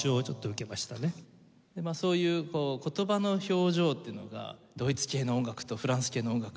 そういう言葉の表情っていうのがドイツ系の音楽とフランス系の音楽